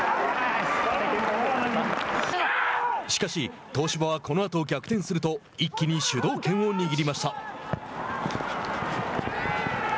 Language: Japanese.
しかし、東芝はこのあと逆転すると一気に主導権を握りました。